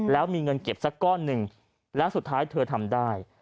แล้วมีเงินเก็บสักก้อนหนึ่งและสุดท้ายเธอทำได้